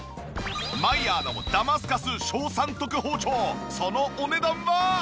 マイヤーのダマスカス小三徳包丁そのお値段は？